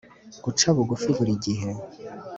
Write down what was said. Guca bugufi buri gihe